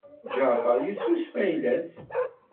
Ǧaɛfeṛ yessusef ayla-s.